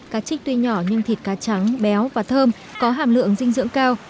cá trích tuy nhỏ nhưng thịt cá trắng béo và thơm có hàm lượng dinh dưỡng cao